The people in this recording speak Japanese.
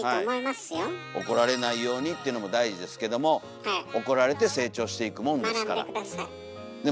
怒られないようにっていうのも大事ですけども怒られて成長していくもんですから。